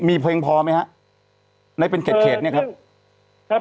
มีเพลงพอไหมครับไหนเป็นเก็ดครับ